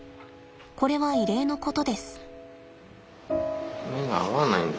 これは異例のことです。